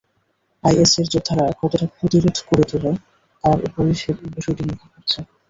আইএসের যোদ্ধারা কতটা প্রতিরোধ গড়ে তোলে, তার ওপরই বিষয়টি নির্ভর করছে।